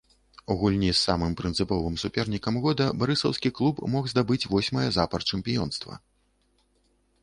У гульні з самым прынцыповым супернікам года барысаўскі клуб мог здабыць восьмае запар чэмпіёнства.